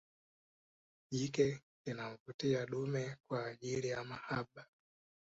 Jike linamvutia dume kwa ajili ya mahaba